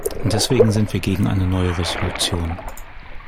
Deswegen sind wir gegen eine neue Resolution.